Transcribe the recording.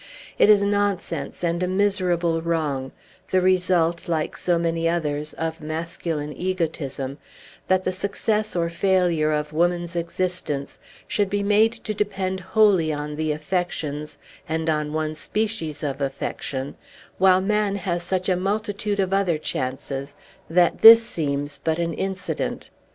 It is nonsense, and a miserable wrong, the result, like so many others, of masculine egotism, that the success or failure of woman's existence should be made to depend wholly on the affections, and on one species of affection, while man has such a multitude of other chances, that this seems but an incident.